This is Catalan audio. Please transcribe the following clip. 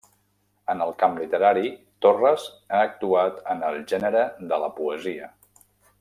En el camp literari, Torres ha actuat en el gènere de la poesia.